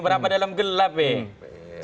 meramah dalam gelap weh